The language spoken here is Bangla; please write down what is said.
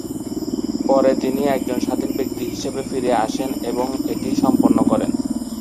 পরে তিনি একজন স্বাধীন ব্যক্তি হিসেবে ফিরে আসেন এবং এটি সম্পন্ন করেন।